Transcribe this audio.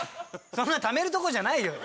そんなためるとこじゃないよ。